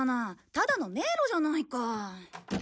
ただの迷路じゃないか。